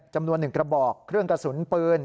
จำนวน๑กระบอกเครื่องกระสุนปืน